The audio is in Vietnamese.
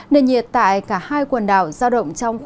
nền nhiệt tại cả hai quần đảo giảm và gió giật mạnh